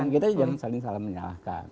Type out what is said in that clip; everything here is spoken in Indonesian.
kita jangan saling salah menyalahkan